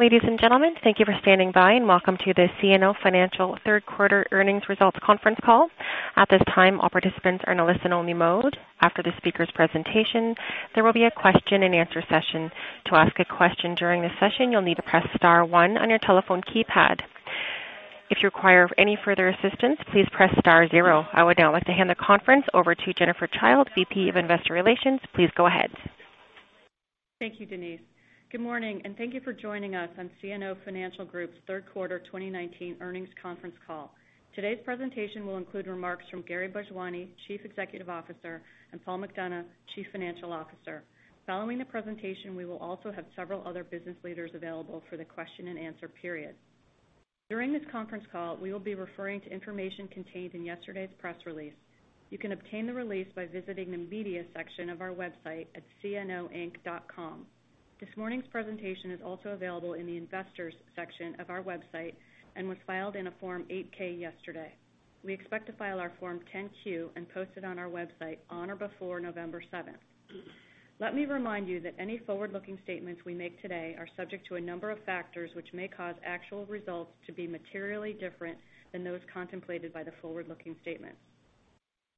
Ladies and gentlemen, thank you for standing by, and welcome to the CNO Financial Group's third quarter earnings results conference call. At this time, all participants are in a listen-only mode. After the speakers' presentation, there will be a question and answer session. To ask a question during the session, you'll need to press star one on your telephone keypad. If you require any further assistance, please press star zero. I would now like to hand the conference over to Jennifer Childe, Vice President of Investor Relations. Please go ahead. Thank you, Denise. Good morning, and thank you for joining us on CNO Financial Group's third quarter 2019 earnings conference call. Today's presentation will include remarks from Gary Bhojwani, Chief Executive Officer, and Paul McDonough, Chief Financial Officer. Following the presentation, we will also have several other business leaders available for the question and answer period. During this conference call, we will be referring to information contained in yesterday's press release. You can obtain the release by visiting the media section of our website at cnoinc.com. This morning's presentation is also available in the investors section of our website and was filed in a Form 8-K yesterday. We expect to file our Form 10-Q and post it on our website on or before November 7th. Let me remind you that any forward-looking statements we make today are subject to a number of factors which may cause actual results to be materially different than those contemplated by the forward-looking statement.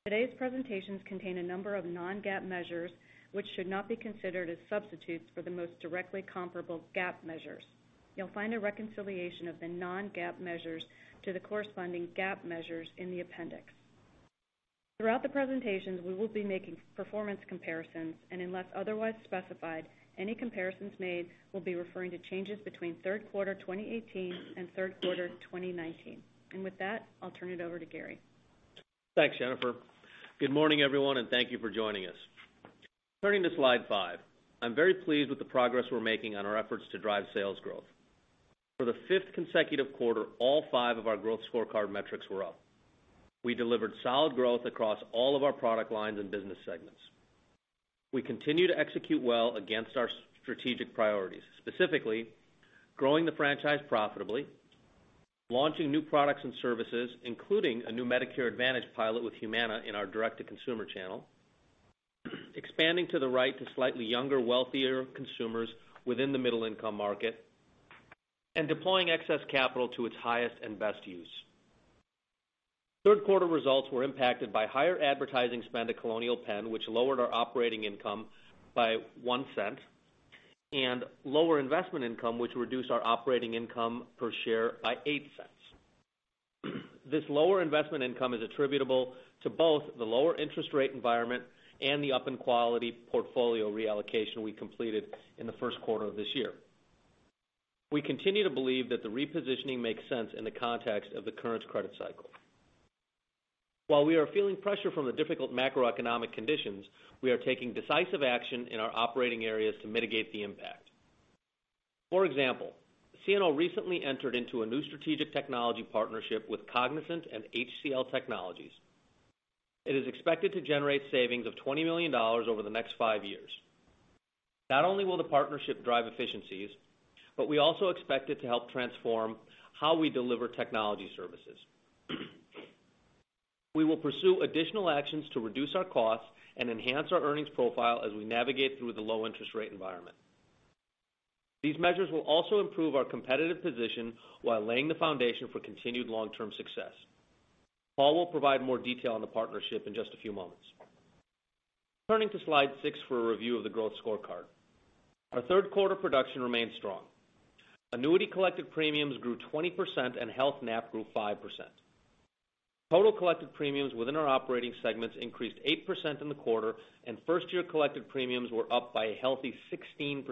Today's presentations contain a number of non-GAAP measures which should not be considered as substitutes for the most directly comparable GAAP measures. You'll find a reconciliation of the non-GAAP measures to the corresponding GAAP measures in the appendix. Throughout the presentations, we will be making performance comparisons, and unless otherwise specified, any comparisons made will be referring to changes between Q3 2018 and Q3 2019. With that, I'll turn it over to Gary. Thanks, Jennifer. Good morning, everyone, and thank you for joining us. Turning to slide five. I'm very pleased with the progress we're making on our efforts to drive sales growth. For the fifth consecutive quarter, all five of our growth scorecard metrics were up. We delivered solid growth across all of our product lines and business segments. We continue to execute well against our strategic priorities, specifically growing the franchise profitably, launching new products and services, including a new Medicare Advantage pilot with Humana in our direct-to-consumer channel, expanding to the right to slightly younger, wealthier consumers within the middle-income market, and deploying excess capital to its highest and best use. Third quarter results were impacted by higher advertising spend at Colonial Penn, which lowered our operating income by $0.01, and lower investment income, which reduced our operating income per share by $0.08. This lower investment income is attributable to both the lower interest rate environment and the up-in-quality portfolio reallocation we completed in the first quarter of this year. We continue to believe that the repositioning makes sense in the context of the current credit cycle. While we are feeling pressure from the difficult macroeconomic conditions, we are taking decisive action in our operating areas to mitigate the impact. For example, CNO recently entered into a new strategic technology partnership with Cognizant and HCL Technologies. It is expected to generate savings of $20 million over the next five years. Not only will the partnership drive efficiencies, but we also expect it to help transform how we deliver technology services. We will pursue additional actions to reduce our costs and enhance our earnings profile as we navigate through the low-interest rate environment. These measures will also improve our competitive position while laying the foundation for continued long-term success. Paul will provide more detail on the partnership in just a few moments. Turning to slide six for a review of the growth scorecard. Our third quarter production remained strong. Annuity collected premiums grew 20%, and health NAP grew 5%. Total collected premiums within our operating segments increased 8% in the quarter, and first-year collected premiums were up by a healthy 16%.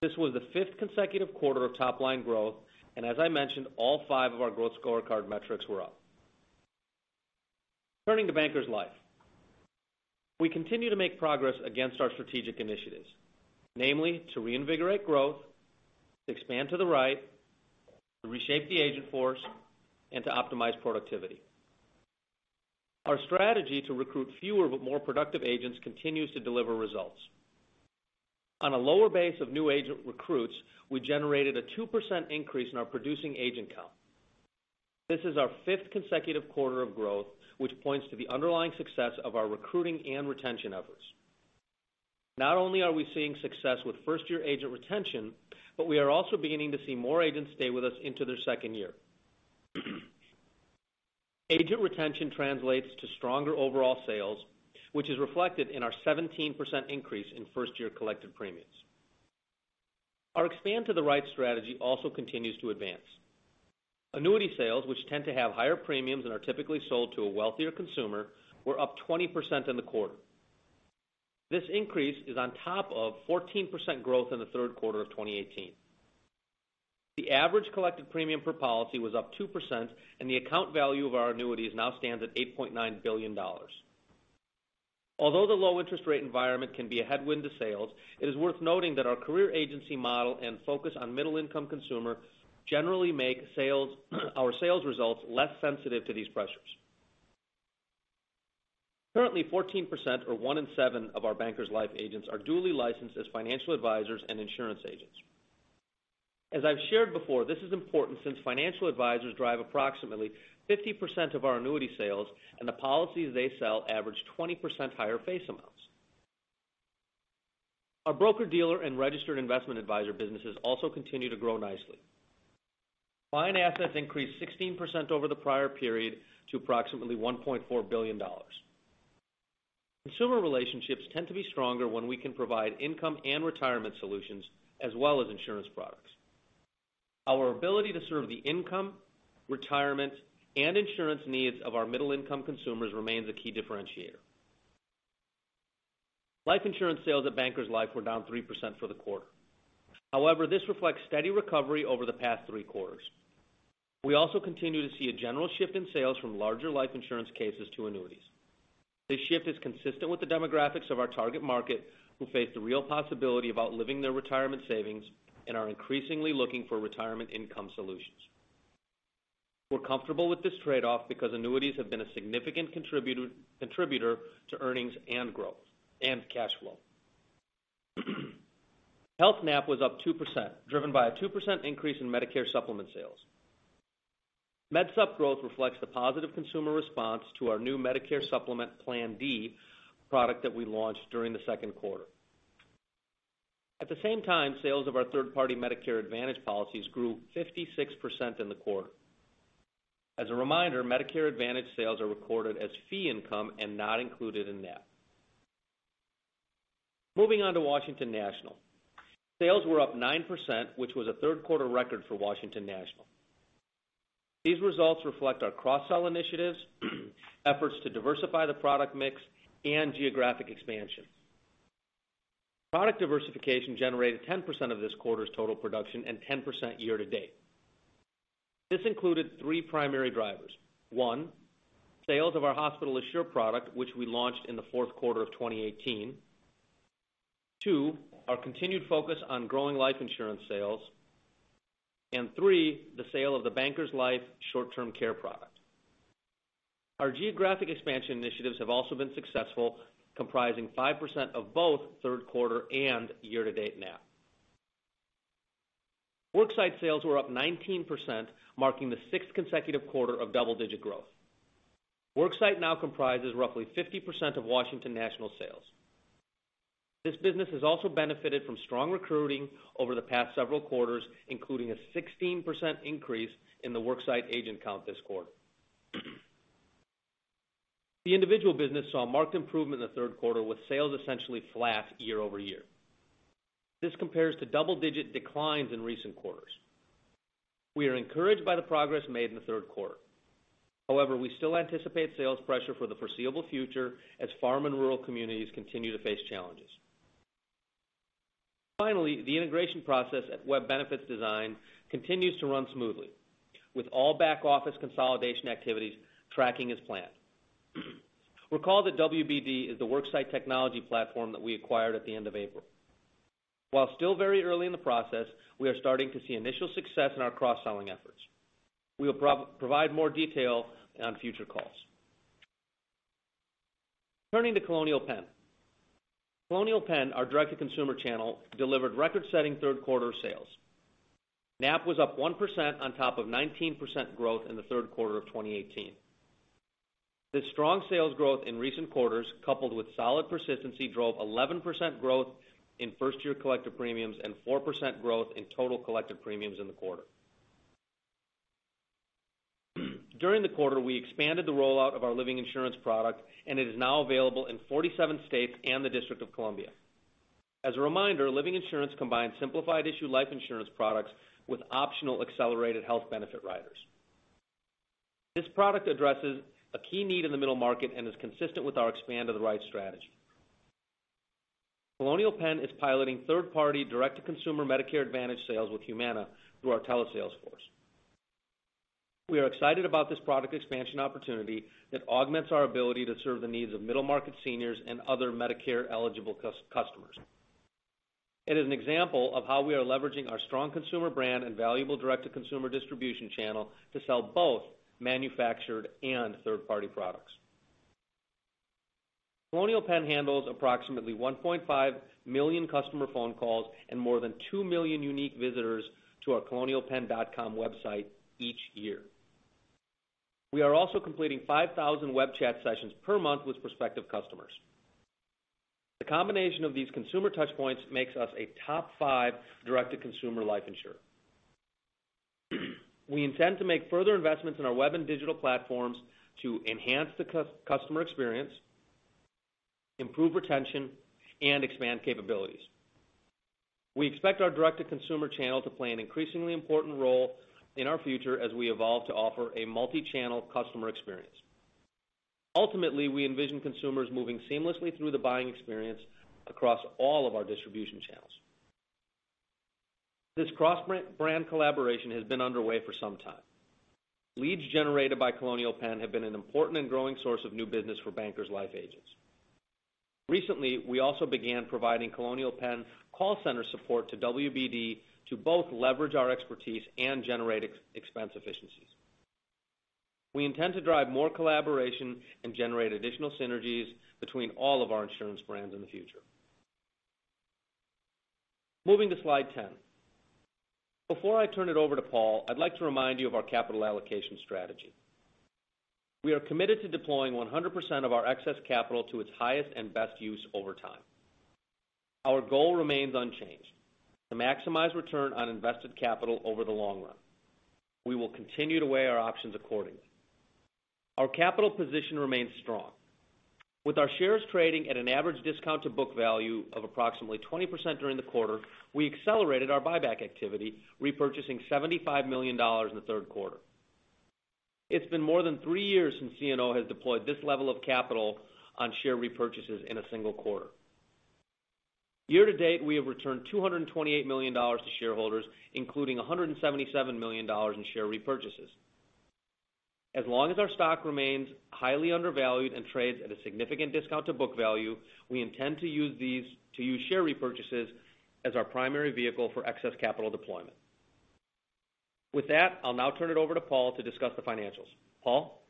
This was the fifth consecutive quarter of top-line growth, and as I mentioned, all five of our growth scorecard metrics were up. Turning to Bankers Life. We continue to make progress against our strategic initiatives, namely to reinvigorate growth, expand to the right, to reshape the agent force, and to optimize productivity. Our strategy to recruit fewer but more productive agents continues to deliver results. On a lower base of new agent recruits, we generated a 2% increase in our producing agent count. This is our fifth consecutive quarter of growth, which points to the underlying success of our recruiting and retention efforts. Not only are we seeing success with first-year agent retention, but we are also beginning to see more agents stay with us into their second year. Agent retention translates to stronger overall sales, which is reflected in our 17% increase in first-year collected premiums. Our expand to the right strategy also continues to advance. Annuity sales, which tend to have higher premiums and are typically sold to a wealthier consumer, were up 20% in the quarter. This increase is on top of 14% growth in the third quarter of 2018. The average collected premium per policy was up 2%, and the account value of our annuities now stands at $8.9 billion. Although the low interest rate environment can be a headwind to sales, it is worth noting that our career agency model and focus on middle-income consumer generally make our sales results less sensitive to these pressures. Currently, 14%, or one in seven of our Bankers Life agents are duly licensed as financial advisors and insurance agents. As I've shared before, this is important since financial advisors drive approximately 50% of our annuity sales, and the policies they sell average 20% higher face amounts. Our broker-dealer and registered investment advisor businesses also continue to grow nicely. Client assets increased 16% over the prior period to approximately $1.4 billion. Consumer relationships tend to be stronger when we can provide income and retirement solutions as well as insurance products. Our ability to serve the income, retirement, and insurance needs of our middle-income consumers remains a key differentiator. Life insurance sales at Bankers Life were down 3% for the quarter. This reflects steady recovery over the past three quarters. We also continue to see a general shift in sales from larger life insurance cases to annuities. This shift is consistent with the demographics of our target market, who face the real possibility of outliving their retirement savings and are increasingly looking for retirement income solutions. We're comfortable with this trade-off because annuities have been a significant contributor to earnings and cash flow. Health NAP was up 2%, driven by a 2% increase in Medicare Supplement sales. Med Sup growth reflects the positive consumer response to our new Medicare Supplement Plan D product that we launched during the second quarter. At the same time, sales of our third-party Medicare Advantage policies grew 56% in the quarter. As a reminder, Medicare Advantage sales are recorded as fee income and not included in NAP. Moving on to Washington National. Sales were up 9%, which was a third-quarter record for Washington National. These results reflect our cross-sell initiatives, efforts to diversify the product mix, and geographic expansion. Product diversification generated 10% of this quarter's total production and 10% year-to-date. This included three primary drivers. One, sales of our Hospital Assure product, which we launched in the fourth quarter of 2018. Two, our continued focus on growing life insurance sales. Three, the sale of the Bankers Life short-term care product. Our geographic expansion initiatives have also been successful, comprising 5% of both third quarter and year-to-date NAP. Worksite sales were up 19%, marking the sixth consecutive quarter of double-digit growth. Worksite now comprises roughly 50% of Washington National sales. This business has also benefited from strong recruiting over the past several quarters, including a 16% increase in the worksite agent count this quarter. The individual business saw a marked improvement in the third quarter, with sales essentially flat year-over-year. This compares to double-digit declines in recent quarters. We are encouraged by the progress made in the third quarter. We still anticipate sales pressure for the foreseeable future as farm and rural communities continue to face challenges. Finally, the integration process at Web Benefits Design continues to run smoothly, with all back-office consolidation activities tracking as planned. Recall that WBD is the worksite technology platform that we acquired at the end of April. While still very early in the process, we are starting to see initial success in our cross-selling efforts. We will provide more detail on future calls. Turning to Colonial Penn. Colonial Penn, our direct-to-consumer channel, delivered record-setting third quarter sales. NAP was up 1% on top of 19% growth in the third quarter of 2018. This strong sales growth in recent quarters, coupled with solid persistency, drove 11% growth in first-year collective premiums and 4% growth in total collective premiums in the quarter. During the quarter, we expanded the rollout of our Living Insurance product, and it is now available in 47 states and the District of Columbia. As a reminder, Living Insurance combines simplified issue life insurance products with optional accelerated health benefit riders. This product addresses a key need in the middle market and is consistent with our expand to the right strategy. Colonial Penn is piloting third-party direct-to-consumer Medicare Advantage sales with Humana through our telesales force. We are excited about this product expansion opportunity that augments our ability to serve the needs of middle-market seniors and other Medicare-eligible customers. It is an example of how we are leveraging our strong consumer brand and valuable direct-to-consumer distribution channel to sell both manufactured and third-party products. Colonial Penn handles approximately 1.5 million customer phone calls and more than 2 million unique visitors to our colonialpenn.com website each year. We are also completing 5,000 web chat sessions per month with prospective customers. The combination of these consumer touchpoints makes us a top five direct-to-consumer life insurer. We intend to make further investments in our web and digital platforms to enhance the customer experience, improve retention, and expand capabilities. We expect our direct-to-consumer channel to play an increasingly important role in our future as we evolve to offer a multi-channel customer experience. Ultimately, we envision consumers moving seamlessly through the buying experience across all of our distribution channels. This cross-brand collaboration has been underway for some time. Leads generated by Colonial Penn have been an important and growing source of new business for Bankers Life agents. Recently, we also began providing Colonial Penn call center support to WBD to both leverage our expertise and generate expense efficiencies. We intend to drive more collaboration and generate additional synergies between all of our insurance brands in the future. Moving to slide 10. Before I turn it over to Paul, I'd like to remind you of our capital allocation strategy. We are committed to deploying 100% of our excess capital to its highest and best use over time. Our goal remains unchanged, to maximize return on invested capital over the long run. We will continue to weigh our options accordingly. Our capital position remains strong. With our shares trading at an average discount to book value of approximately 20% during the quarter, we accelerated our buyback activity, repurchasing $75 million in the third quarter. It's been more than three years since CNO has deployed this level of capital on share repurchases in a single quarter. Year-to-date, we have returned $228 million to shareholders, including $177 million in share repurchases. As long as our stock remains highly undervalued and trades at a significant discount to book value, we intend to use share repurchases as our primary vehicle for excess capital deployment. With that, I'll now turn it over to Paul to discuss the financials. Paul?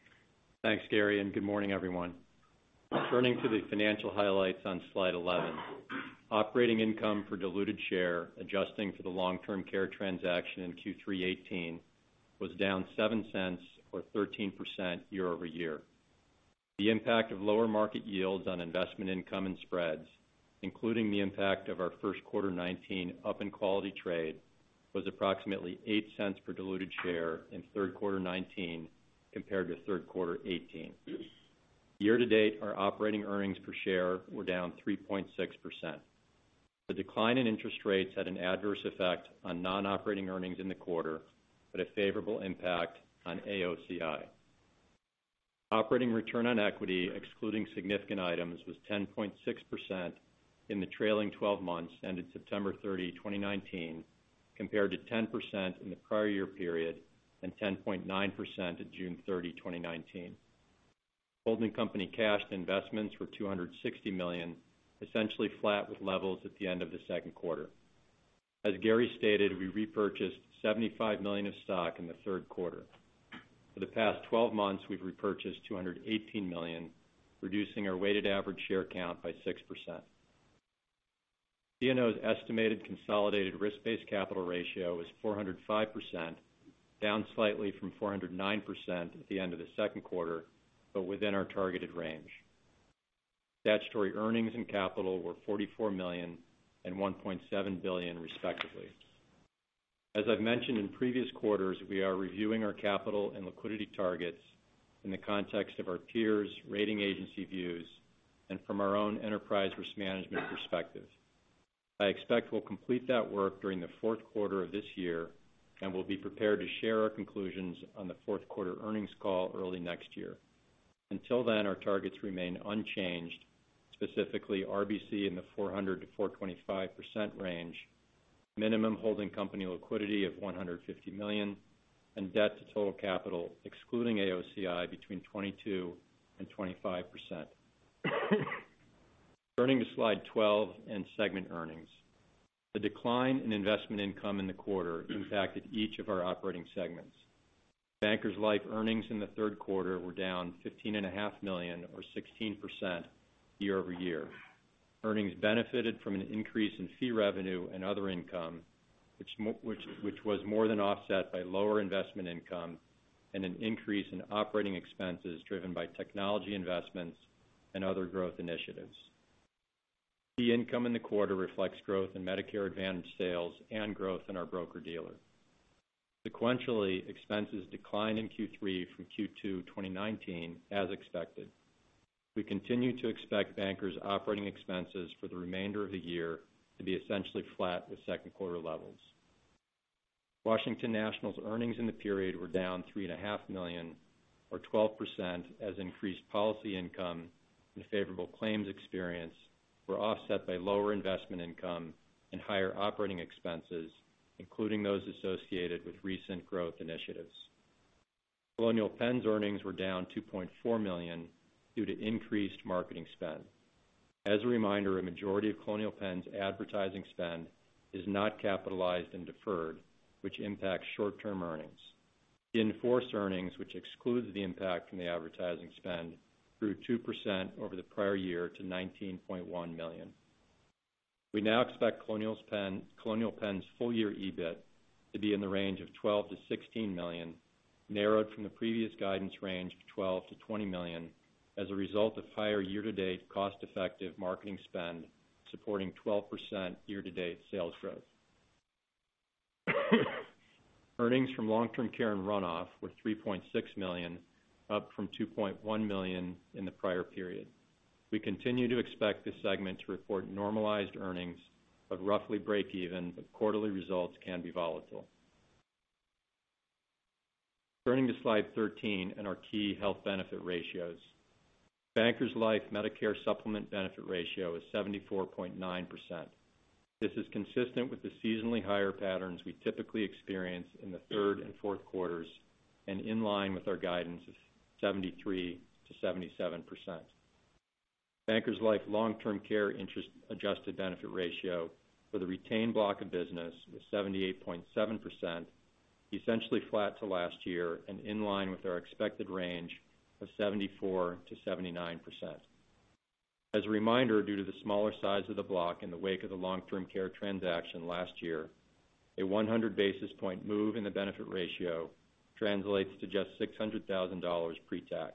Thanks, Gary, and good morning, everyone. Turning to the financial highlights on slide 11. Operating income per diluted share, adjusting for the long-term care transaction in Q3 2018, was down $0.07 or 13% year-over-year. The impact of lower market yields on investment income and spreads, including the impact of our first quarter 2019 up in quality trade, was approximately $0.08 per diluted share in third quarter 2019 compared to third quarter 2018. Year-to-date, our operating earnings per share were down 3.6%. The decline in interest rates had an adverse effect on non-operating earnings in the quarter, but a favorable impact on AOCI. Operating return on equity, excluding significant items, was 10.6% in the trailing 12 months ended September 30, 2019, compared to 10% in the prior year period and 10.9% at June 30, 2019. Holding company cash investments were $260 million, essentially flat with levels at the end of the second quarter. As Gary stated, we repurchased $75 million of stock in the third quarter. For the past 12 months, we've repurchased $218 million, reducing our weighted average share count by 6%. CNO's estimated consolidated risk-based capital ratio is 405%, down slightly from 409% at the end of the second quarter, but within our targeted range. Statutory earnings and capital were $44 million and $1.7 billion respectively. As I've mentioned in previous quarters, we are reviewing our capital and liquidity targets in the context of our peers' rating agency views and from our own enterprise risk management perspective. I expect we'll complete that work during the fourth quarter of this year, and we'll be prepared to share our conclusions on the fourth quarter earnings call early next year. Until then, our targets remain unchanged, specifically RBC in the 400%-425% range, minimum holding company liquidity of $150 million, and debt to total capital excluding AOCI between 22% and 25%. Turning to slide 12 and segment earnings. The decline in investment income in the quarter impacted each of our operating segments. Bankers Life earnings in the third quarter were down $15.5 million or 16% year-over-year. Earnings benefited from an increase in fee revenue and other income, which was more than offset by lower investment income and an increase in operating expenses driven by technology investments and other growth initiatives. Fee income in the quarter reflects growth in Medicare Advantage sales and growth in our broker-dealer. Sequentially, expenses declined in Q3 from Q2 2019 as expected. We continue to expect Bankers operating expenses for the remainder of the year to be essentially flat with second quarter levels. Washington National's earnings in the period were down $3.5 million or 12% as increased policy income and favorable claims experience were offset by lower investment income and higher operating expenses, including those associated with recent growth initiatives. Colonial Penn's earnings were down $2.4 million due to increased marketing spend. As a reminder, a majority of Colonial Penn's advertising spend is not capitalized and deferred, which impacts short-term earnings. Enforced earnings, which excludes the impact from the advertising spend, grew 2% over the prior year to $19.1 million. We now expect Colonial Penn's full year EBIT to be in the range of $12 million-$16 million, narrowed from the previous guidance range of $12 million-$20 million as a result of higher year-to-date cost-effective marketing spend supporting 12% year-to-date sales growth. Earnings from long-term care and runoff were $3.6 million, up from $2.1 million in the prior period. We continue to expect this segment to report normalized earnings of roughly breakeven, but quarterly results can be volatile. Turning to slide 13 and our key health benefit ratios. Bankers Life Medicare Supplement benefit ratio is 74.9%. This is consistent with the seasonally higher patterns we typically experience in the third and fourth quarters and in line with our guidance of 73%-77%. Bankers Life long-term care interest adjusted benefit ratio for the retained block of business was 78.7%, essentially flat to last year and in line with our expected range of 74%-79%. As a reminder, due to the smaller size of the block in the wake of the long-term care transaction last year, a 100 basis point move in the benefit ratio translates to just $600,000 pre-tax.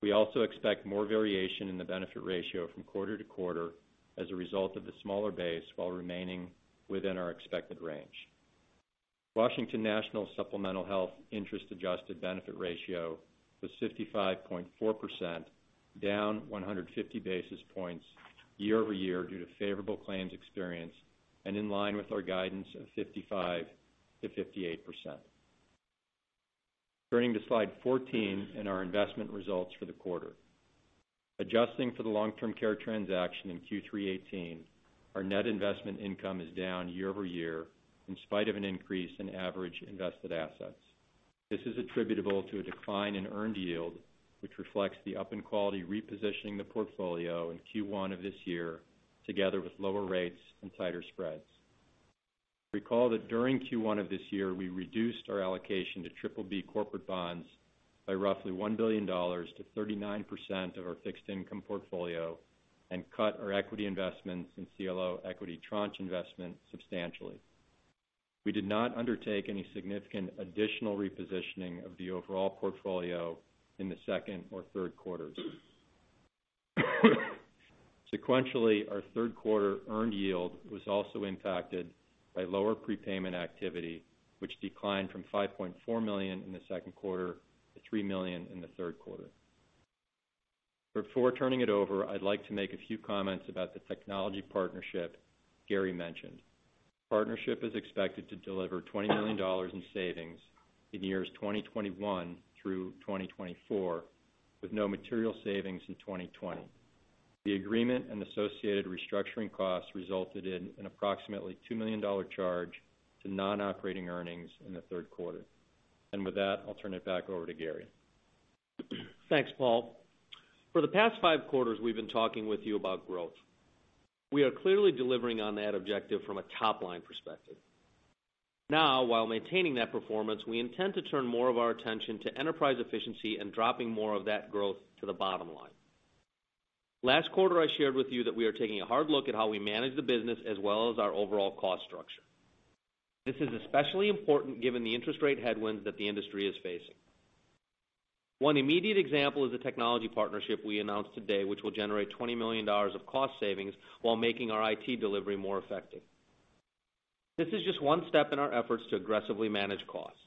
We also expect more variation in the benefit ratio from quarter to quarter as a result of the smaller base while remaining within our expected range. Washington National Supplemental Health interest adjusted benefit ratio was 55.4%, down 150 basis points year-over-year due to favorable claims experience, and in line with our guidance of 55%-58%. Turning to slide 14 and our investment results for the quarter. Adjusting for the long-term care transaction in Q3 2018, our net investment income is down year-over-year in spite of an increase in average invested assets. This is attributable to a decline in earned yield, which reflects the up in quality repositioning the portfolio in Q1 of this year, together with lower rates and tighter spreads. Recall that during Q1 of this year, we reduced our allocation to triple B corporate bonds by roughly $1 billion to 39% of our fixed income portfolio and cut our equity investments in CLO equity tranche investment substantially. We did not undertake any significant additional repositioning of the overall portfolio in the second or third quarters. Sequentially, our third quarter earned yield was also impacted by lower prepayment activity, which declined from $5.4 million in the second quarter to $3 million in the third quarter. Before turning it over, I'd like to make a few comments about the technology partnership Gary mentioned. Partnership is expected to deliver $20 million in savings in years 2021 through 2024, with no material savings in 2020. The agreement and associated restructuring costs resulted in an approximately $2 million charge to non-operating earnings in the third quarter. With that, I'll turn it back over to Gary. Thanks, Paul. For the past five quarters, we've been talking with you about growth. We are clearly delivering on that objective from a top-line perspective. While maintaining that performance, we intend to turn more of our attention to enterprise efficiency and dropping more of that growth to the bottom line. Last quarter, I shared with you that we are taking a hard look at how we manage the business as well as our overall cost structure. This is especially important given the interest rate headwinds that the industry is facing. One immediate example is the technology partnership we announced today, which will generate $20 million of cost savings while making our IT delivery more effective. This is just one step in our efforts to aggressively manage costs.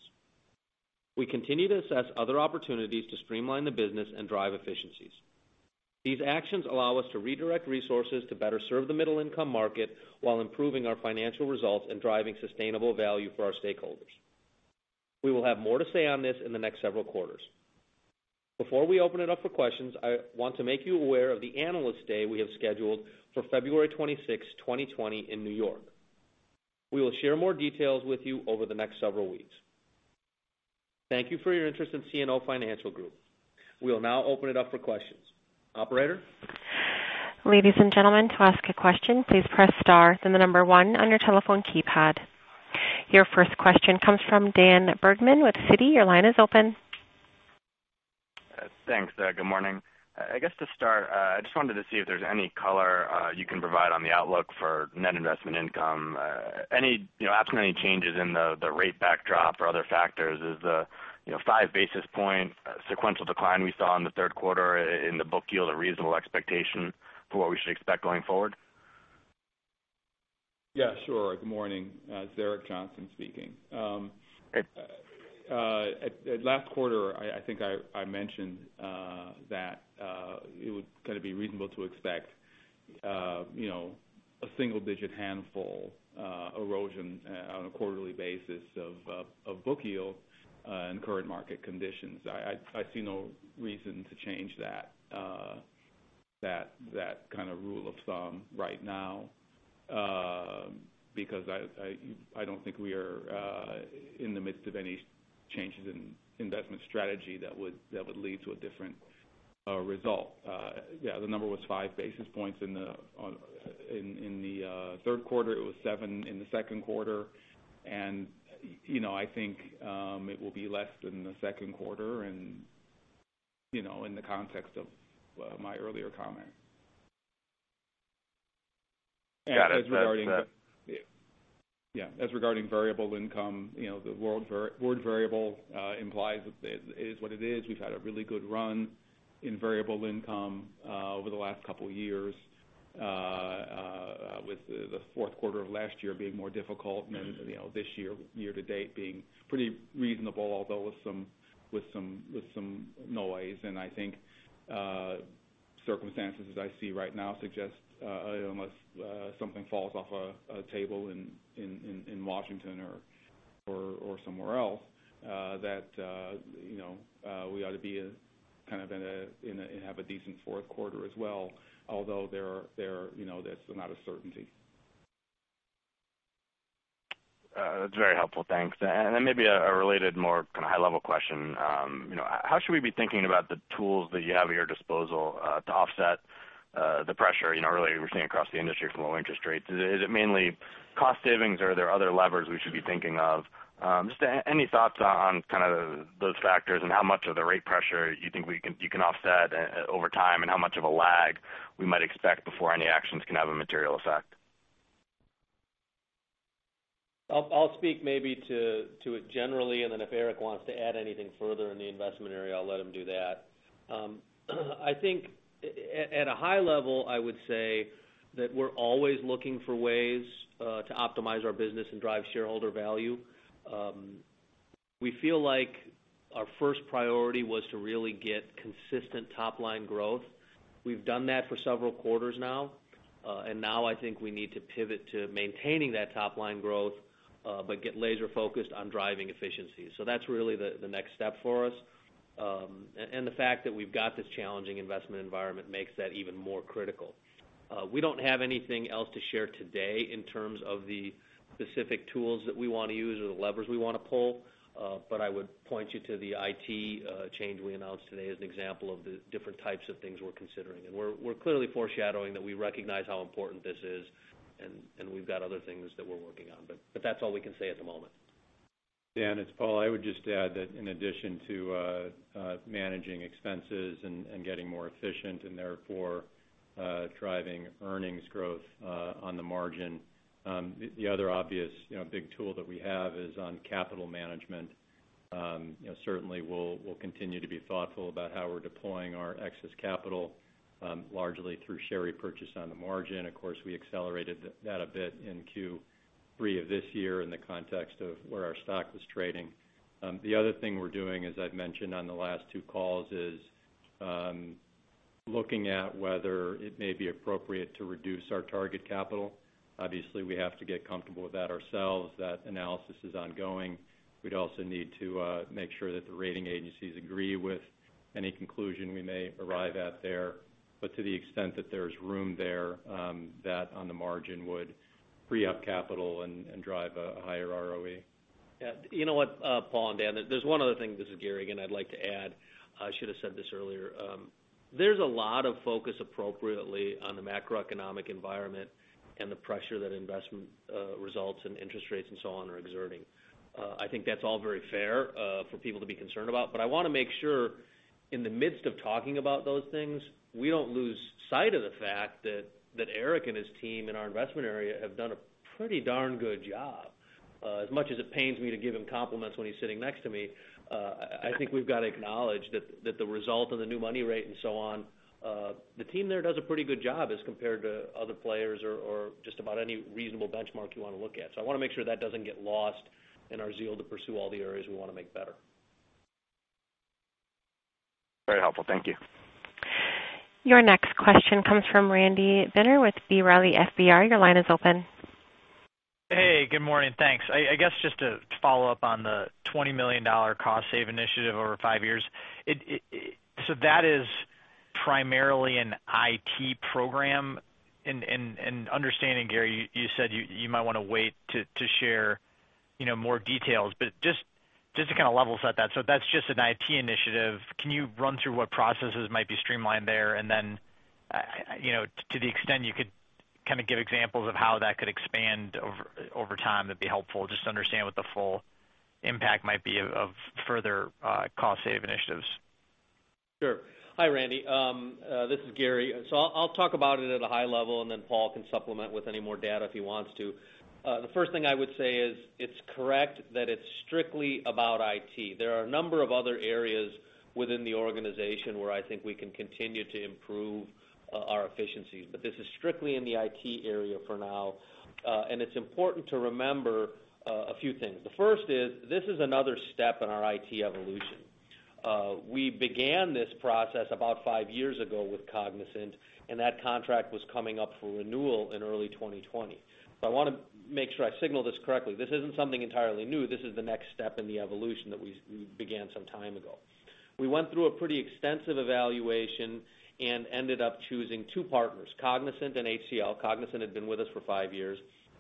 We continue to assess other opportunities to streamline the business and drive efficiencies. These actions allow us to redirect resources to better serve the middle-income market while improving our financial results and driving sustainable value for our stakeholders. We will have more to say on this in the next several quarters. Before we open it up for questions, I want to make you aware of the Analyst Day we have scheduled for February 26, 2020, in New York. We will share more details with you over the next several weeks. Thank you for your interest in CNO Financial Group. We will now open it up for questions. Operator? Ladies and gentlemen, to ask a question, please press star then the number one on your telephone keypad. Your first question comes from Daniel Bergman with Citi. Your line is open. Thanks. Good morning. I guess to start, I just wanted to see if there's any color you can provide on the outlook for net investment income. Any absolute changes in the rate backdrop or other factors is a five basis point sequential decline we saw in the third quarter in the book yield a reasonable expectation for what we should expect going forward? Yeah, sure. Good morning. It's Eric Johnson speaking. Okay. Last quarter, I think I mentioned that it would kind of be reasonable to expect a single-digit handful erosion on a quarterly basis of book yield in current market conditions. I see no reason to change that kind of rule of thumb right now because I don't think we are in the midst of any changes in investment strategy that would lead to a different result. The number was five basis points in the third quarter. It was seven in the second quarter. I think it will be less than the second quarter and in the context of my earlier comment. Got it. That's. Regarding variable income, the word variable implies it is what it is. We've had a really good run in variable income over the last couple of years, with the fourth quarter of last year being more difficult than this year to date being pretty reasonable although with some noise. I think circumstances as I see right now suggest unless something falls off a table in Washington or somewhere else that we ought to be kind of in a decent fourth quarter as well, although that's not a certainty. That's very helpful. Thanks. Then maybe a related more kind of high level question. How should we be thinking about the tools that you have at your disposal, to offset the pressure, really we're seeing across the industry from low interest rates. Is it mainly cost savings or are there other levers we should be thinking of? Just any thoughts on kind of those factors and how much of the rate pressure you think you can offset over time, and how much of a lag we might expect before any actions can have a material effect? I'll speak maybe to it generally, then if Eric wants to add anything further in the investment area, I'll let him do that. I think at a high level, I would say that we're always looking for ways to optimize our business and drive shareholder value. We feel like our first priority was to really get consistent top-line growth. We've done that for several quarters now. Now I think we need to pivot to maintaining that top-line growth, but get laser focused on driving efficiencies. That's really the next step for us. The fact that we've got this challenging investment environment makes that even more critical. We don't have anything else to share today in terms of the specific tools that we want to use or the levers we want to pull. I would point you to the IT change we announced today as an example of the different types of things we're considering. We're clearly foreshadowing that we recognize how important this is, and we've got other things that we're working on. That's all we can say at the moment. Dan, it's Paul. I would just add that in addition to managing expenses and getting more efficient and therefore, driving earnings growth, on the margin. The other obvious big tool that we have is on capital management. Certainly, we'll continue to be thoughtful about how we're deploying our excess capital, largely through share repurchase on the margin. Of course, we accelerated that a bit in Q3 of this year in the context of where our stock was trading. The other thing we're doing, as I've mentioned on the last two calls, is looking at whether it may be appropriate to reduce our target capital. Obviously, we have to get comfortable with that ourselves. That analysis is ongoing. We'd also need to make sure that the rating agencies agree with any conclusion we may arrive at there. To the extent that there's room there, that on the margin would free up capital and drive a higher ROE. You know what, Paul and Dan, there's one other thing, this is Gary again, I'd like to add. I should have said this earlier. There's a lot of focus appropriately on the macroeconomic environment and the pressure that investment results and interest rates and so on are exerting. I think that's all very fair for people to be concerned about. I want to make sure in the midst of talking about those things, we don't lose sight of the fact that Eric and his team in our investment area have done a pretty darn good job. As much as it pains me to give him compliments when he's sitting next to me, I think we've got to acknowledge that the result of the new money rate and so on, the team there does a pretty good job as compared to other players or just about any reasonable benchmark you want to look at. I want to make sure that doesn't get lost in our zeal to pursue all the areas we want to make better. Very helpful. Thank you. Your next question comes from Randy Binner with B. Riley FBR. Your line is open. Hey, good morning. Thanks. I guess just to follow up on the $20 million cost save initiative over five years. That is primarily an IT program. Understanding, Gary, you said you might want to wait to share more details, but just to kind of level set that. That's just an IT initiative. Can you run through what processes might be streamlined there? And then, to the extent you could kind of give examples of how that could expand over time, that'd be helpful just to understand what the full impact might be of further cost save initiatives. Sure. Hi, Randy. This is Gary. I'll talk about it at a high level, and then Paul can supplement with any more data if he wants to. The first thing I would say is it's correct that it's strictly about IT. There are a number of other areas within the organization where I think we can continue to improve our efficiencies, but this is strictly in the IT area for now. It's important to remember a few things. The first is this is another step in our IT evolution. We began this process about five years ago with Cognizant, and that contract was coming up for renewal in early 2020. I want to make sure I signal this correctly. This isn't something entirely new. This is the next step in the evolution that we began some time ago. We went through a pretty extensive evaluation and ended up choosing two partners, Cognizant and HCLTech. Cognizant had been with us for five years.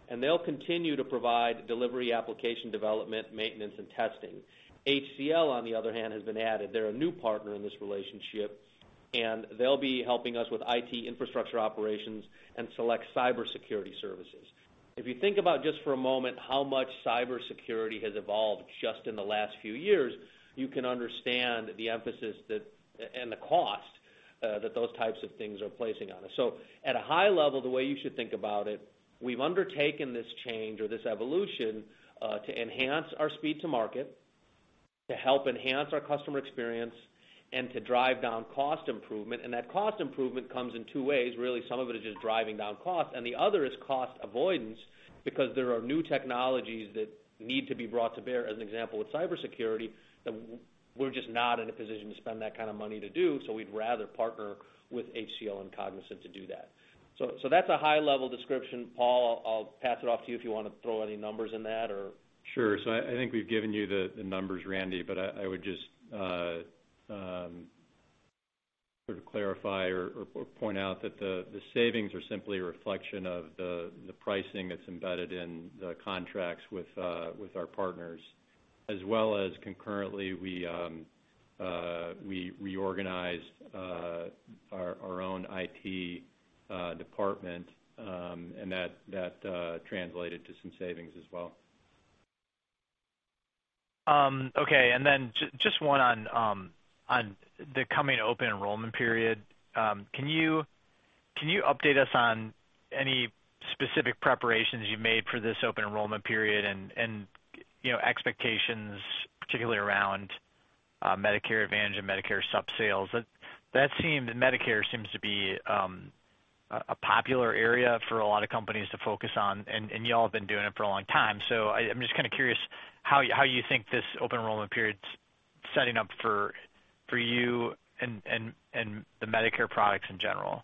They'll continue to provide delivery, application development, maintenance, and testing. HCLTech, on the other hand, has been added. They're a new partner in this relationship, and they'll be helping us with IT infrastructure operations and select cybersecurity services. If you think about just for a moment how much cybersecurity has evolved just in the last few years, you can understand the emphasis and the cost that those types of things are placing on us. At a high level, the way you should think about it, we've undertaken this change or this evolution to enhance our speed to market, to help enhance our customer experience, and to drive down cost improvement, and that cost improvement comes in two ways, really. Some of it is just driving down cost, and the other is cost avoidance because there are new technologies that need to be brought to bear, as an example with cybersecurity, that we're just not in a position to spend that kind of money to do. We'd rather partner with HCLTech and Cognizant to do that. That's a high level description. Paul, I'll pass it off to you if you want to throw any numbers in that. Sure. I think we've given you the numbers, Randy, but I would to clarify or point out that the savings are simply a reflection of the pricing that's embedded in the contracts with our partners, as well as concurrently, we reorganized our own IT department, that translated to some savings as well. Okay. Just one on the coming open enrollment period. Can you update us on any specific preparations you've made for this open enrollment period and expectations, particularly around Medicare Advantage and Med Sup sales? Medicare seems to be a popular area for a lot of companies to focus on, you all have been doing it for a long time. I'm just curious how you think this open enrollment period's setting up for you and the Medicare products in general.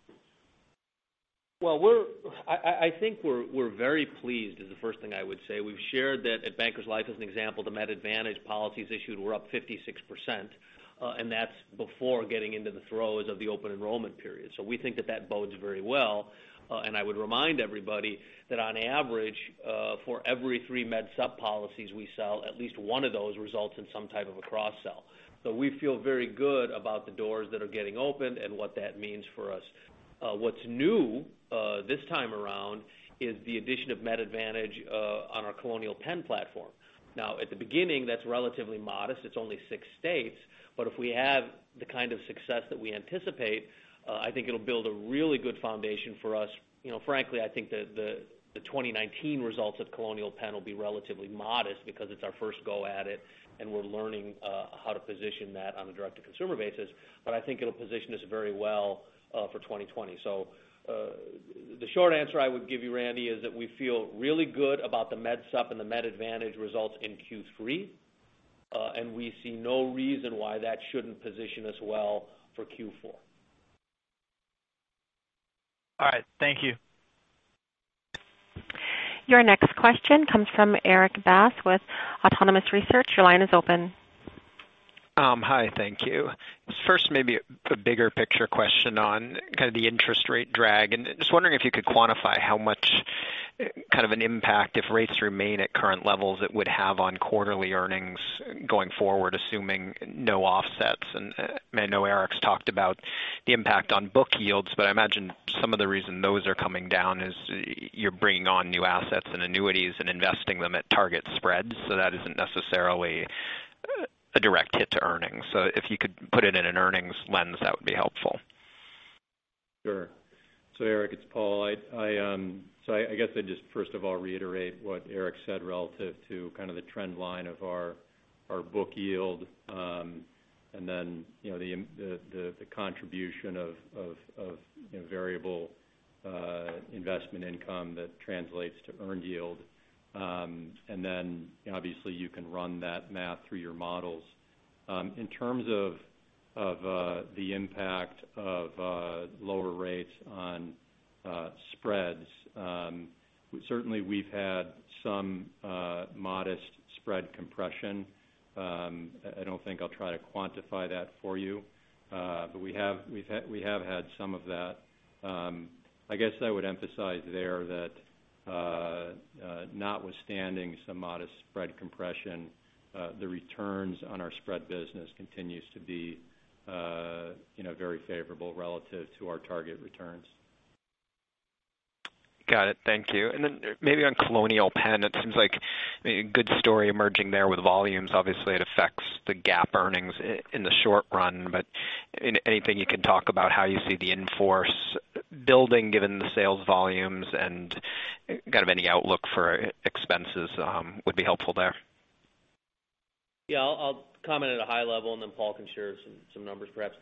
Well, I think we're very pleased, is the first thing I would say. We've shared that at Bankers Life, as an example, the Med Advantage policies issued were up 56%, that's before getting into the throes of the open enrollment period. We think that bodes very well. I would remind everybody that on average, for every three Med Sup policies we sell, at least one of those results in some type of a cross-sell. We feel very good about the doors that are getting opened and what that means for us. What's new this time around is the addition of Med Advantage on our Colonial Penn platform. At the beginning, that's relatively modest. It's only six states. If we have the kind of success that we anticipate, I think it'll build a really good foundation for us. Frankly, I think the 2019 results of Colonial Penn will be relatively modest because it's our first go at it, we're learning how to position that on a direct-to-consumer basis. I think it'll position us very well for 2020. The short answer I would give you, Randy, is that we feel really good about the Med Sup and the Med Advantage results in Q3. We see no reason why that shouldn't position us well for Q4. All right. Thank you. Your next question comes from Erik Bass with Autonomous Research. Your line is open. Hi, thank you. First, maybe a bigger picture question on kind of the interest rate drag. Just wondering if you could quantify how much of an impact, if rates remain at current levels, it would have on quarterly earnings going forward, assuming no offsets. I know Erik's talked about the impact on book yields, but I imagine some of the reason those are coming down is you're bringing on new assets and annuities and investing them at target spreads. That isn't necessarily a direct hit to earnings. If you could put it in an earnings lens, that would be helpful. Sure. Erik, it's Paul. I guess I'd just first of all reiterate what Erik said relative to kind of the trend line of our book yield, and then the contribution of variable investment income that translates to earned yield. Obviously you can run that math through your models. In terms of the impact of lower rates on spreads. Certainly, we've had some modest spread compression. I don't think I'll try to quantify that for you. We have had some of that. I guess I would emphasize there that notwithstanding some modest spread compression, the returns on our spread business continues to be very favorable relative to our target returns. Got it. Thank you. Maybe on Colonial Penn, it seems like a good story emerging there with volumes. Obviously, it affects the GAAP earnings in the short run, anything you can talk about how you see the in-force building given the sales volumes, and kind of any outlook for expenses would be helpful there. Yeah, I'll comment at a high level, Paul can share some numbers, perhaps.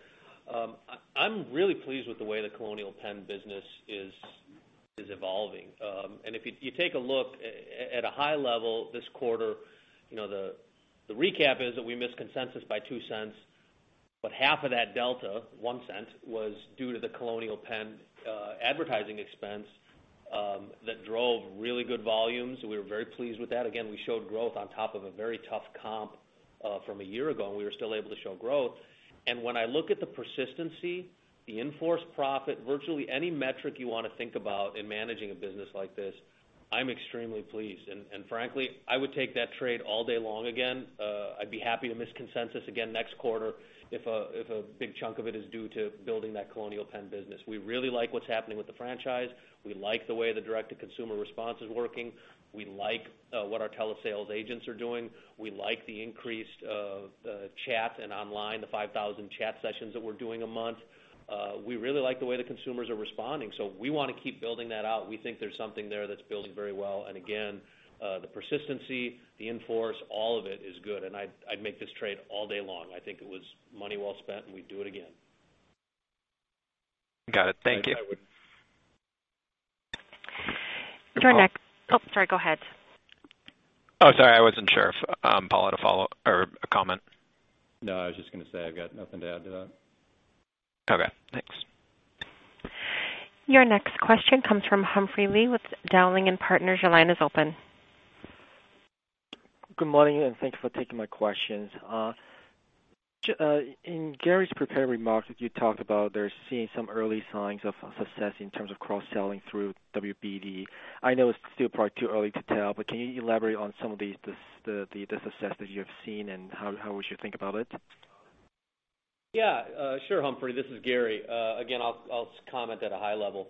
I'm really pleased with the way the Colonial Penn business is evolving. If you take a look at a high level this quarter, the recap is that we missed consensus by $0.02, half of that delta, $0.01, was due to the Colonial Penn advertising expense that drove really good volumes. We were very pleased with that. Again, we showed growth on top of a very tough comp from a year ago, we were still able to show growth. When I look at the persistency, the in-force profit, virtually any metric you want to think about in managing a business like this, I'm extremely pleased. Frankly, I would take that trade all day long again. I'd be happy to miss consensus again next quarter if a big chunk of it is due to building that Colonial Penn business. We really like what's happening with the franchise. We like the way the direct-to-consumer response is working. We like what our telesales agents are doing. We like the increased chat and online, the 5,000 chat sessions that we're doing a month. We really like the way the consumers are responding. We want to keep building that out. We think there's something there that's building very well. Again, the persistency, the in-force, all of it is good. I'd make this trade all day long. I think it was money well spent, we'd do it again. Got it. Thank you. I would. Oh, sorry, go ahead. Oh, sorry, I wasn't sure if Paul had a follow or a comment. No, I was just going to say I've got nothing to add to that. Okay. Your next question comes from Humphrey Lee with Dowling & Partners. Your line is open. Good morning, thank you for taking my questions. In Gary's prepared remarks, you talked about they're seeing some early signs of success in terms of cross-selling through WBD. I know it's still probably too early to tell, can you elaborate on some of the success that you have seen and how we should think about it? Yeah. Sure, Humphrey. This is Gary. Again, I'll comment at a high level.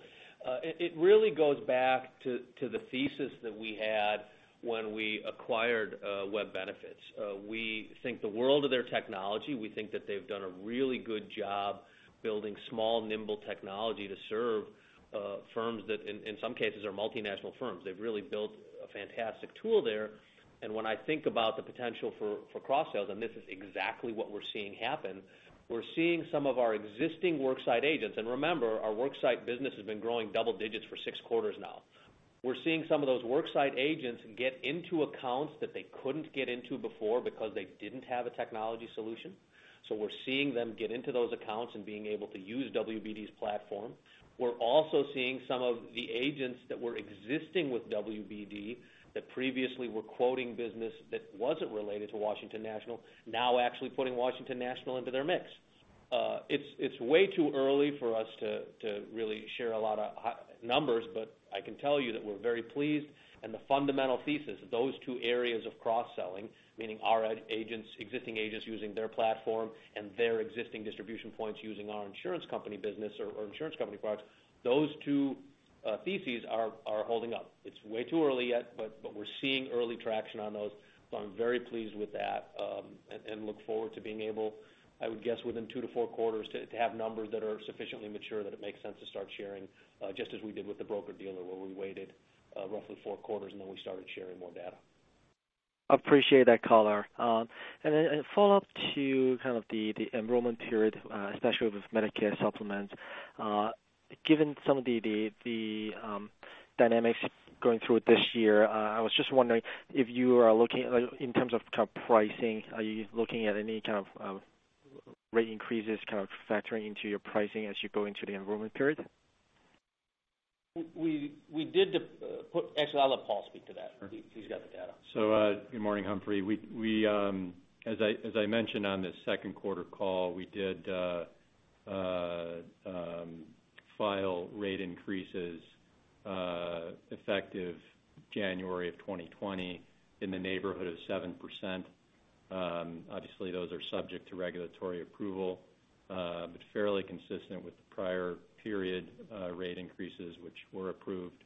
It really goes back to the thesis that we had when we acquired Web Benefits. We think the world of their technology. We think that they've done a really good job building small, nimble technology to serve firms that, in some cases, are multinational firms. They've really built a fantastic tool there. When I think about the potential for cross-sales, and this is exactly what we're seeing happen, we're seeing some of our existing worksite agents. Remember, our worksite business has been growing double digits for six quarters now. We're seeing some of those worksite agents get into accounts that they couldn't get into before because they didn't have a technology solution. We're seeing them get into those accounts and being able to use WBD's platform. We're also seeing some of the agents that were existing with WBD, that previously were quoting business that wasn't related to Washington National, now actually putting Washington National into their mix. It's way too early for us to really share a lot of numbers, I can tell you that we're very pleased. The fundamental thesis of those two areas of cross-selling, meaning our existing agents using their platform and their existing distribution points using our insurance company business or insurance company products, those two theses are holding up. It's way too early yet, we're seeing early traction on those. I'm very pleased with that, and look forward to being able, I would guess, within two to four quarters, to have numbers that are sufficiently mature that it makes sense to start sharing, just as we did with the broker-dealer, where we waited roughly four quarters and then we started sharing more data. I appreciate that color. A follow-up to kind of the enrollment period, especially with Medicare Supplements. Given some of the dynamics going through this year, I was just wondering if you are looking, in terms of pricing, are you looking at any kind of rate increases kind of factoring into your pricing as you go into the enrollment period? Actually, I'll let Paul speak to that. He's got the data. Good morning, Humphrey. As I mentioned on the second quarter call, we did file rate increases effective January of 2020 in the neighborhood of 7%. Obviously, those are subject to regulatory approval, but fairly consistent with the prior period rate increases which were approved.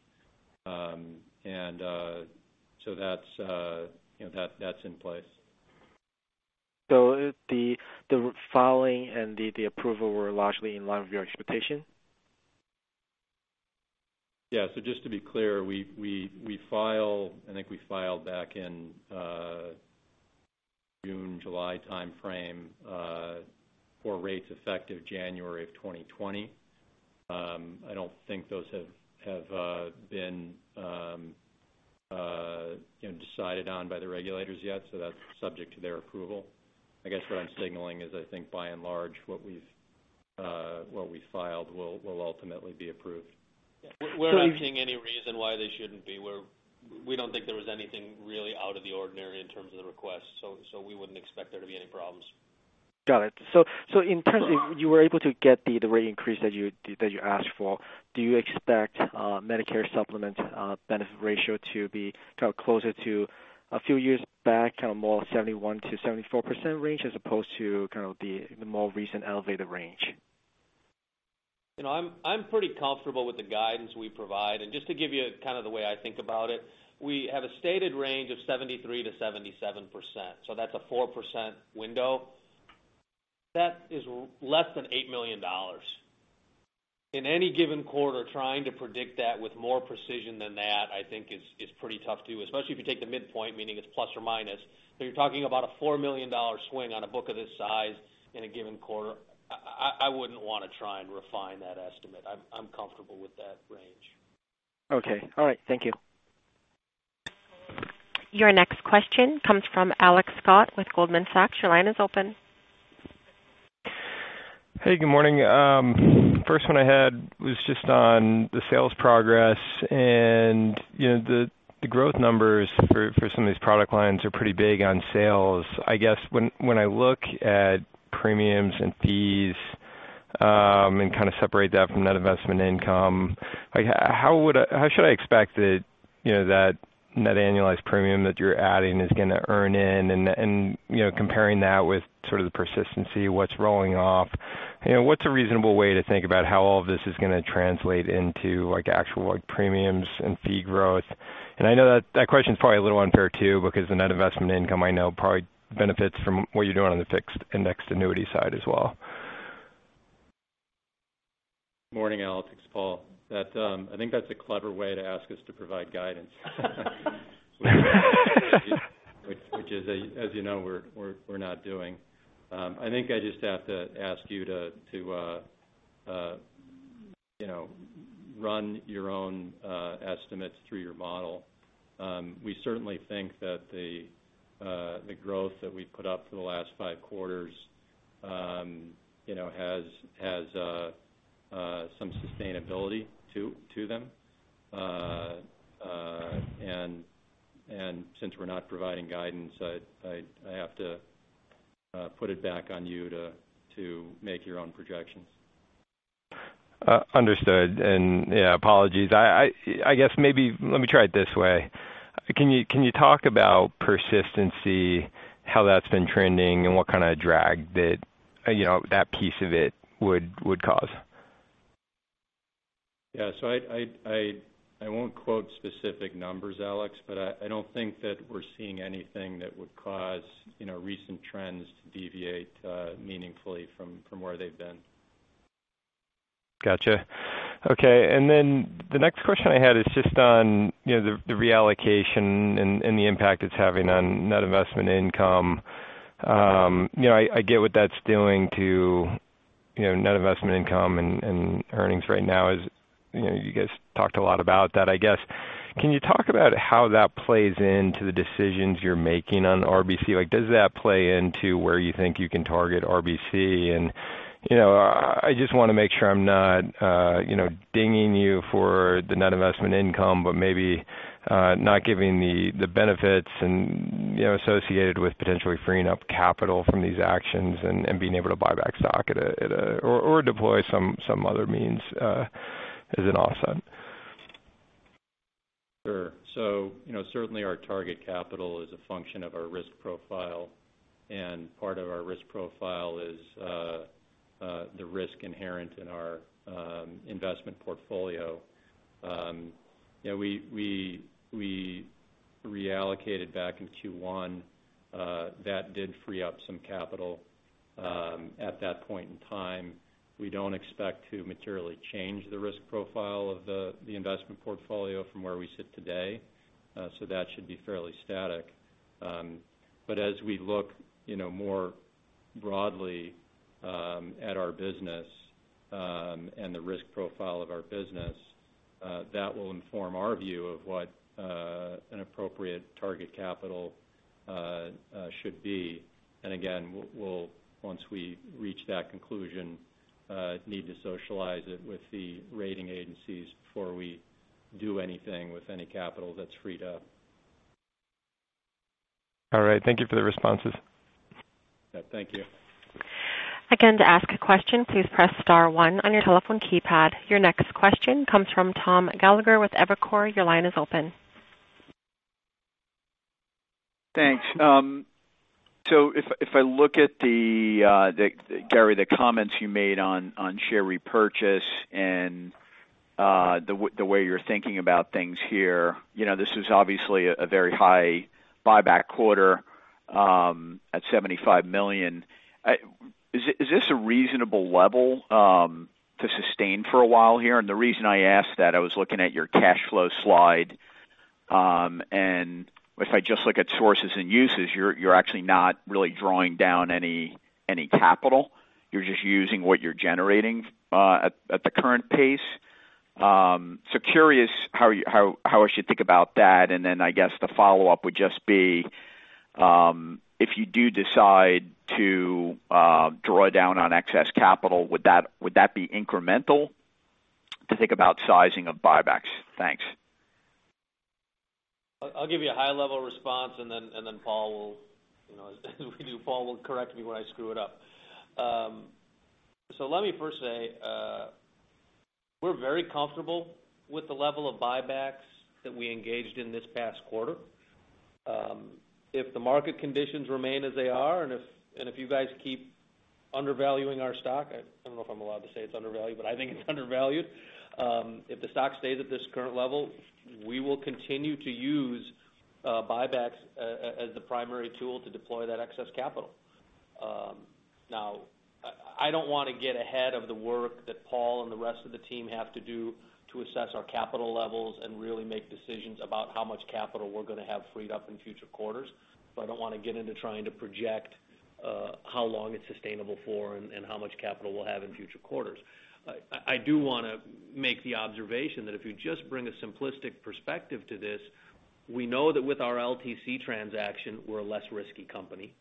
That's in place. The filing and the approval were largely in line with your expectation? Just to be clear, I think we filed back in June, July timeframe for rates effective January of 2020. I don't think those have been decided on by the regulators yet, so that's subject to their approval. I guess what I'm signaling is I think by and large, what we filed will ultimately be approved. We're not seeing any reason why they shouldn't be. We don't think there was anything really out of the ordinary in terms of the request. We wouldn't expect there to be any problems. In terms of you were able to get the rate increase that you asked for, do you expect Medicare Supplement benefit ratio to be kind of closer to a few years back, kind of more 71%-74% range as opposed to kind of the more recent elevated range? I'm pretty comfortable with the guidance we provide. Just to give you kind of the way I think about it, we have a stated range of 73%-77%, so that's a 4% window. That is less than $8 million. In any given quarter, trying to predict that with more precision than that, I think is pretty tough to do, especially if you take the midpoint, meaning it's plus or minus. You're talking about a $4 million swing on a book of this size in a given quarter. I wouldn't want to try and refine that estimate. I'm comfortable with that range. Okay. All right. Thank you. Your next question comes from Alex Scott with Goldman Sachs. Your line is open. Hey, good morning. First one I had was just on the sales progress. The growth numbers for some of these product lines are pretty big on sales. I guess when I look at premiums and fees, and kind of separate that from net investment income, how should I expect that net annualized premium that you're adding is going to earn in? Comparing that with sort of the persistency, what's rolling off. What's a reasonable way to think about how all of this is going to translate into actual premiums and fee growth? I know that question's probably a little unfair too because the net investment income I know probably benefits from what you're doing on the fixed indexed annuity side as well. Morning, Alex. It's Paul. I think that's a clever way to ask us to provide guidance. Which, as you know, we're not doing. I think I just have to ask you to run your own estimates through your model. We certainly think that the growth that we put up for the last 5 quarters has some sustainability to them. Since we're not providing guidance, I have to put it back on you to make your own projections. Understood. Yeah, apologies. I guess maybe let me try it this way. Can you talk about persistency, how that's been trending, and what kind of drag that piece of it would cause? Yeah. I won't quote specific numbers, Alex, but I don't think that we're seeing anything that would cause recent trends to deviate meaningfully from where they've been. Got you. Okay. The next question I had is just on the reallocation and the impact it's having on net investment income. I get what that's doing to net investment income and earnings right now. As you guys talked a lot about that. I guess, can you talk about how that plays into the decisions you're making on RBC? Like, does that play into where you think you can target RBC? I just want to make sure I'm not dinging you for the net investment income, but maybe not giving the benefits associated with potentially freeing up capital from these actions and being able to buy back stock or deploy some other means as an offset. Certainly our target capital is a function of our risk profile, and part of our risk profile is the risk inherent in our investment portfolio. We reallocated back in Q1. That did free up some capital at that point in time. We don't expect to materially change the risk profile of the investment portfolio from where we sit today. That should be fairly static. As we look more broadly at our business, and the risk profile of our business, that will inform our view of what an appropriate target capital should be. Again, we'll, once we reach that conclusion, need to socialize it with the rating agencies before we do anything with any capital that's freed up. All right. Thank you for the responses. Yeah. Thank you. Again, to ask a question, please press star one on your telephone keypad. Your next question comes from Thomas Gallagher with Evercore. Your line is open. Thanks. If I look at Gary, the comments you made on share repurchase and the way you're thinking about things here, this is obviously a very high buyback quarter at $75 million. Is this a reasonable level to sustain for a while here? The reason I ask that, I was looking at your cash flow slide, and if I just look at sources and uses, you're actually not really drawing down any capital. You're just using what you're generating at the current pace. Curious how I should think about that. I guess the follow-up would just be if you do decide to draw down on excess capital, would that be incremental to think about sizing of buybacks? Thanks. I'll give you a high level response and then Paul will correct me when I screw it up. Let me first say we're very comfortable with the level of buybacks that we engaged in this past quarter. If the market conditions remain as they are, and if you guys keep undervaluing our stock, I don't know if I'm allowed to say it's undervalued, but I think it's undervalued. If the stock stays at this current level, we will continue to use buybacks as the primary tool to deploy that excess capital. Now, I don't want to get ahead of the work that Paul and the rest of the team have to do to assess our capital levels and really make decisions about how much capital we're going to have freed up in future quarters. I don't want to get into trying to project how long it's sustainable for and how much capital we'll have in future quarters. I do want to make the observation that if you just bring a simplistic perspective to this, we know that with our LTC transaction, we're a less risky company.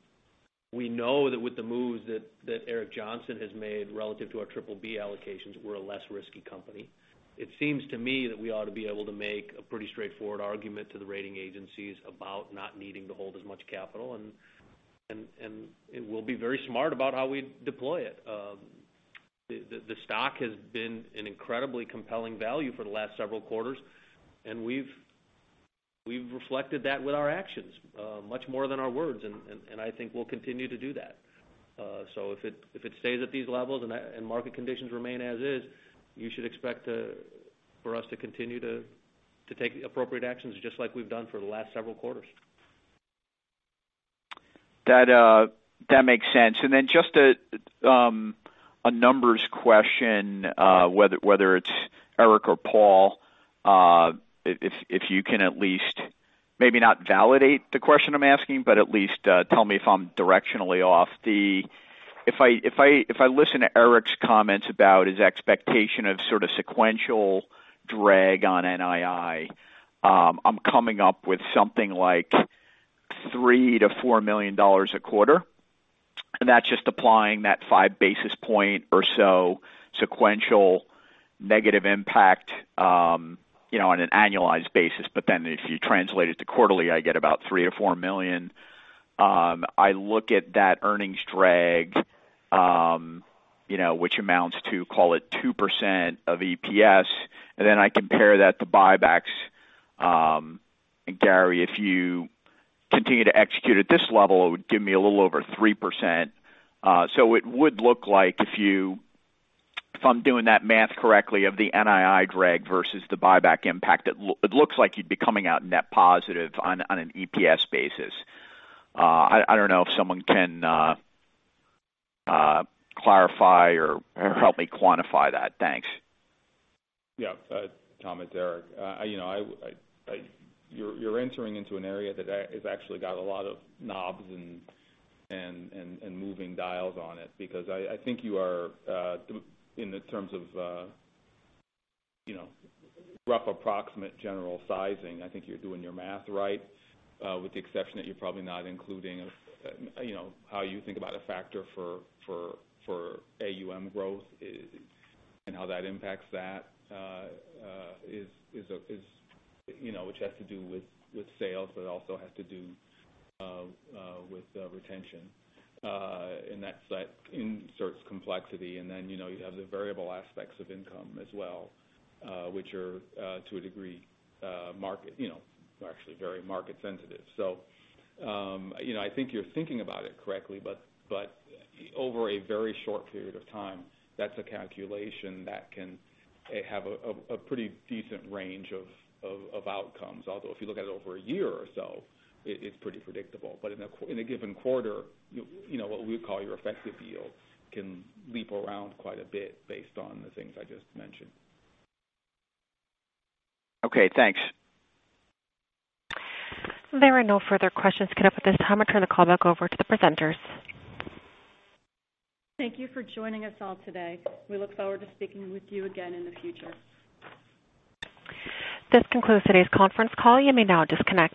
We know that with the moves that Eric Johnson has made relative to our triple B allocations, we're a less risky company. It seems to me that we ought to be able to make a pretty straightforward argument to the rating agencies about not needing to hold as much capital. We'll be very smart about how we deploy it. The stock has been an incredibly compelling value for the last several quarters, and we've reflected that with our actions much more than our words, and I think we'll continue to do that. If it stays at these levels and market conditions remain as is, you should expect for us to continue to take appropriate actions just like we've done for the last several quarters. That makes sense. Just a numbers question, whether it's Eric or Paul, if you can at least maybe not validate the question I'm asking, but at least tell me if I'm directionally off. If I listen to Eric's comments about his expectation of sequential drag on NII, I'm coming up with something like $3 million-$4 million a quarter. That's just applying that five basis point or so sequential negative impact on an annualized basis. Then if you translate it to quarterly, I get about $3 million-$4 million. I look at that earnings drag which amounts to, call it 2% of EPS, then I compare that to buybacks. Gary, if you continue to execute at this level, it would give me a little over 3%. It would look like if I'm doing that math correctly of the NII drag versus the buyback impact, it looks like you'd be coming out net positive on an EPS basis. I don't know if someone can clarify or help me quantify that. Thanks. Yeah. Tom, it's Eric. You're entering into an area that has actually got a lot of knobs and moving dials on it because I think you are, in the terms of rough approximate general sizing, I think you're doing your math right, with the exception that you're probably not including how you think about a factor for AUM growth and how that impacts that which has to do with sales but also has to do with retention. That inserts complexity and then you have the variable aspects of income as well which are to a degree actually very market sensitive. I think you're thinking about it correctly but over a very short period of time, that's a calculation that can have a pretty decent range of outcomes. Although if you look at it over a year or so, it's pretty predictable. In a given quarter, what we would call your effective yield can leap around quite a bit based on the things I just mentioned. Okay, thanks. There are no further questions. Can I put this, Tom, and turn the call back over to the presenters? Thank you for joining us all today. We look forward to speaking with you again in the future. This concludes today's conference call. You may now disconnect.